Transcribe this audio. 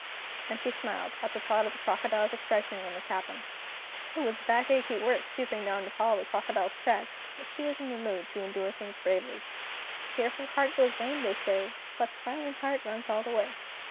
And she smiled at the thought of the crocodile's expression when this happened. It was back achy work stooping down to follow the crocodile's tracks, but she was in the mood to endure things bravely. "Tearful heart goes lame they say, But smiling heart runs all the way!"